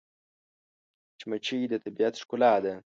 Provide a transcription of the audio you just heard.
مچمچۍ د طبیعت ښکلا ده